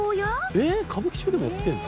えっ歌舞伎町でもやってるの？